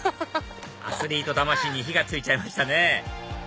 アスリート魂に火が付いちゃいましたね